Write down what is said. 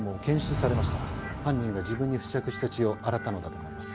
犯人が自分に付着した血を洗ったのだと思います。